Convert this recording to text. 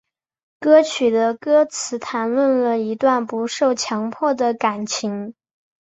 歌曲的歌词谈论了一段不受强迫的感情。